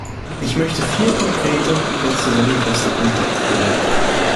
Ich möchte vier konkrete, kurz zusammengefasste Punkte anführen.